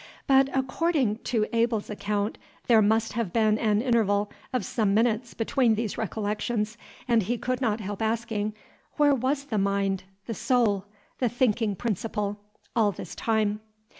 But, according to Abel's account, there must have been an interval of some minutes between these recollections, and he could not help asking, Where was the mind, the soul, the thinking principle, all this time?